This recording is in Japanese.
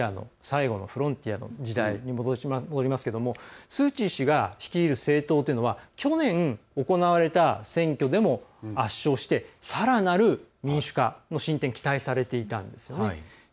話はアジア最後のフロンティアの時代に戻りますけれどもスー・チー氏が率いる政党というのは去年行われた選挙でも圧勝してさらなる民主化への進展が期待されていたんですね。